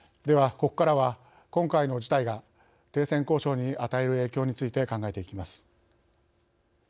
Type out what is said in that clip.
では、ここからは、今回の事態が停戦交渉に与える影響について考えていきます。